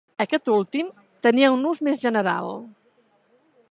Aquest últim tenia un ús més general.